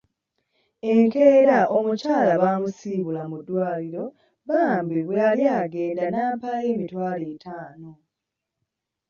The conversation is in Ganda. Enkeera omukyala baamusiibula mu ddwaliro bambi bwe yali agenda n'ampaayo emitwalo etaano.